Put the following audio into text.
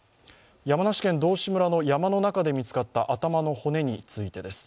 山梨県道志村の山の中で見つかった頭の骨についてです。